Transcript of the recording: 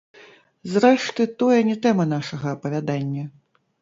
Зрэшты, тое не тэма нашага апавядання.